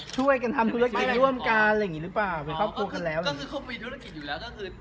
แต่เลือกม